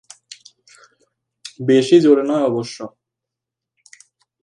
বেশি জোরে নয় অবশ্য।